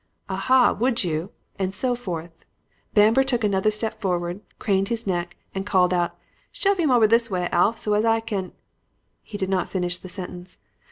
'Aha! would you?' and so forth. Bamber took another step forward, craned his neck and called out, 'Shove 'im over this way, Alf, so as I can ' "He did not finish the sentence.